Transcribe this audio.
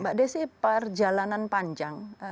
pak desy perjalanan panjang